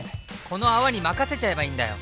この泡に任せちゃえばいいんだよ！